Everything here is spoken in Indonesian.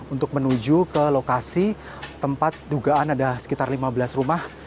untuk menuju ke lokasi tempat dugaan ada sekitar lima belas rumah